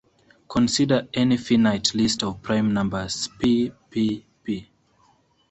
Consider any finite list of prime numbers "p", "p", ..., "p".